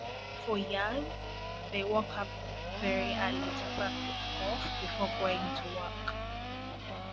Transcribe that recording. For years, they woke up very early to practice golf before going to work.